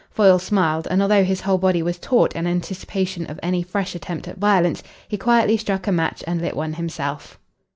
Foyle smiled, and although his whole body was taut in anticipation of any fresh attempt at violence, he quietly struck a match and lit one himself.